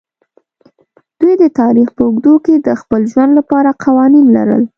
دوی د تاریخ په اوږدو کې د خپل ژوند لپاره قوانین لرل.